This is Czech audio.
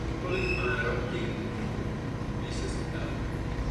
Z města byli vyhnáni příslušníci polské komunity.